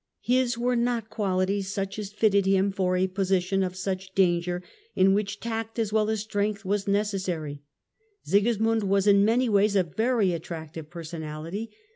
His were not quali mund ties such as fitted him for a position of such danger, in which tact as well as strength was necessary. Sigis mund was in many ways a very attractive personality.